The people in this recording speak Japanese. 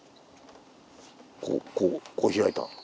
こうこうこう開いた。